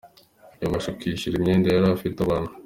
yabasha kwishyura imyenda yari afitiye abantu.